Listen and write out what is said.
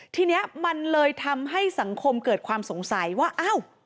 ทีนี้มันเลยทำให้สังคมเกิดความสงสัยว่าอ้าว